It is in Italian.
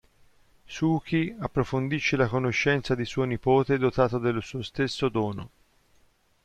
Sookie approfondisce la conoscenza di suo nipote dotato del suo stesso dono.